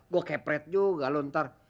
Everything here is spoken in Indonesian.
gue kepret juga lu ntar